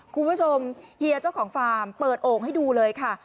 เฮียเจ้าของฟาร์มเปิดโอ่งให้ดูเลยค่ะ